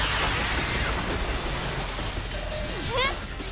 えっ！？